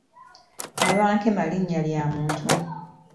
Nabankema linnya lya muntu.